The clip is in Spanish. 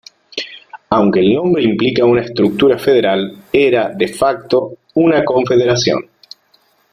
Aunque el nombre implica una estructura federal, era "de facto" una confederación.